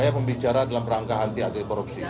saya membicara dalam rangka anti anti peropsi